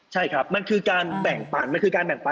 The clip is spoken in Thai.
ใช่ครับมันคือการแบ่งปัน